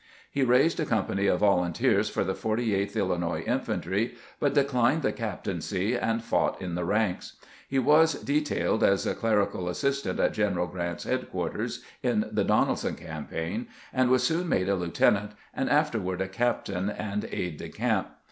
He raised a company of volunteers for the Forty eighth Illinois Infantry, but declined the captaincy, and fought in the ranks. He was detailed as a clerical assistant at General Grant's headquarters in the Donelson campaign, and was soon made a heutenant, and afterward a captain and aide de camp.